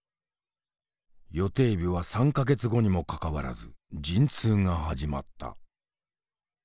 予定日は３か月後にもかかわらず陣痛が始まった。